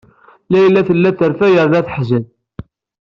Layla tella terfa yernu teḥzen.